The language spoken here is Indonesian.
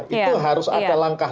itu harus ada langkah